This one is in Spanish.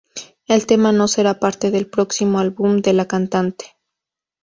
El tema no será parte del próximo álbum de la cantante.